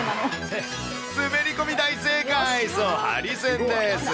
滑り込み大正解、そう、ハリセンです。